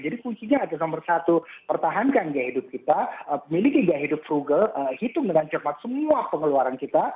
jadi kuncinya ada nomor satu pertahankan gaya hidup kita miliki gaya hidup frugal hitung dengan cepat semua pengeluaran kita